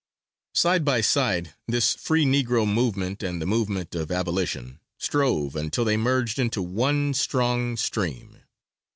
Side by side this free Negro movement, and the movement for abolition, strove until they merged into one strong stream.